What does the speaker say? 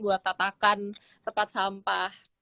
buat tatakan tempat sampah